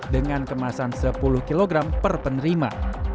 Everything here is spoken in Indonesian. dengan kemasan sepuluh kg per penerima